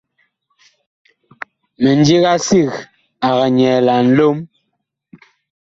Mindiga sig ag nyɛɛ Nlom.